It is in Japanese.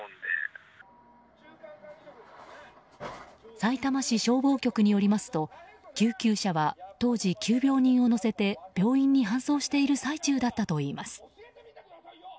さいたま市消防局によりますと救急車は当時急病人を乗せて病院に搬送している最中だったといいます。